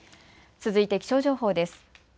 続いて気象情報です。